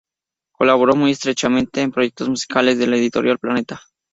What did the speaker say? Colaboró muy estrechamente en proyectos musicales de la editorial Planeta.